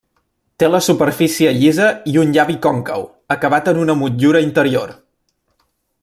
Té la superfície llisa i un llavi còncau acabat en una motllura interior.